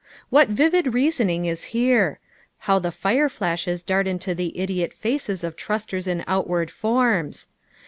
What vivid reasonine IS here I How the firo flaahes dart into the idiot faces of trusters in outward forms